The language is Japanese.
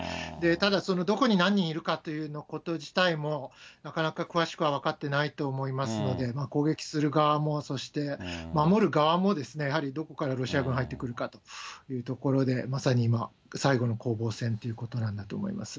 ただ、どこに何人いるかっていうようなこと自体も、なかなか詳しくは分かってないと思いますので、攻撃する側も、そして守る側もですね、やはりどこからロシア軍入ってくるかということで、まさに今、最後の攻防戦ということなんだと思います。